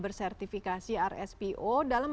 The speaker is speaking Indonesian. bersertifikasi rspo dalam